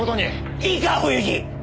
いいか冬二！